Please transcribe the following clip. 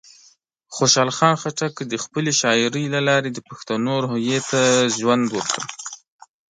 خوشحال خان خټک د خپلې شاعرۍ له لارې د پښتنو روحیه ته ژوند ورکړ.